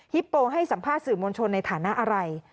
โปให้สัมภาษณ์สื่อมวลชนในฐานะอะไร